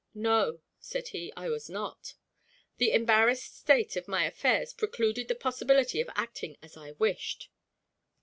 "No," said he, "I was not. The embarrassed state of my affairs precluded the possibility of acting as I wished.